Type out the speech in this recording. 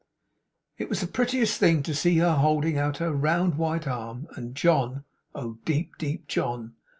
It was the prettiest thing to see her holding out her round, white arm; and John (oh deep, deep John!)